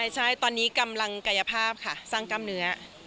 ใช่ตอนนี้กำลังกายภาพค่ะสร้างกล้ามเนื้อ